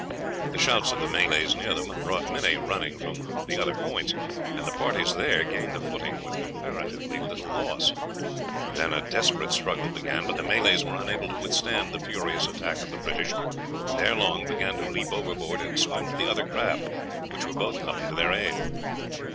The shouts of the Malays near them brought many running from the other points, and the parties there gained a footing with comparatively little loss. Then a desperate struggle began; but the Malays were unable to withstand the furious attack of the British, and ere long began to leap overboard and swim to the other craft, which were both coming to their aid.